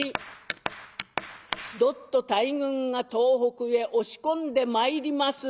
どっと大軍が東北へ押し込んでまいります。